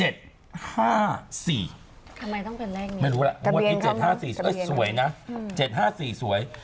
ทำไมต้องเป็นเลขนี้ไม่รู้ล่ะงวดที่๗๕๔ก็สวยนะ๗๕๔สวย